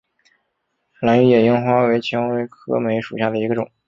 兰屿野樱花为蔷薇科梅属下的一个种。